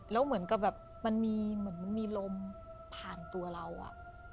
แล้วเหมือนกับแบบมันมีเหมือนมันมีลมผ่านตัวเราอ่ะ